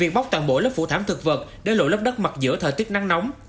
bị bóc toàn bộ lớp phủ thảm thực vật để lộ lớp đất mặt giữa thời tiết nắng nóng